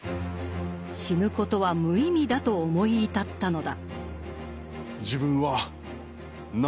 死ぬことは無意味だと思い至ったのだ。